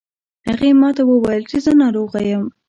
هغې ما ته وویل چې زه ناروغه یم